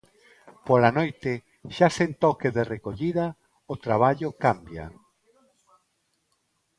Pola noite, xa sen toque de recollida, o traballo cambia.